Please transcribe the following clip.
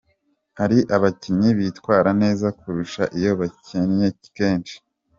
Hari abakinyi bitwara neza kurusha iyo bakinye kenshi.